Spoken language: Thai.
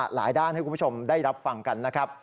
หลายด้านให้คุณผู้ชมได้รับฟังกันนะครับ